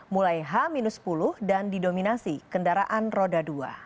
mulai h sepuluh dan didominasi kendaraan roda dua